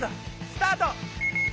スタート！